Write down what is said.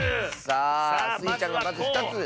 さあスイちゃんがまず１つ。